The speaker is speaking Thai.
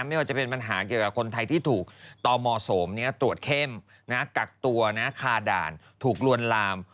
ไม่ว่าจะเป็นปัญหาเกี่ยวกับคนไทยที่ถูกตมสมตรวจเข้มกักตัวคาด่านถูกลวนลาม